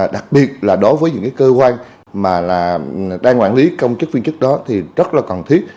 đặc biệt là đối với những cơ quan mà đang quản lý công chức viên chức đó thì rất là cần thiết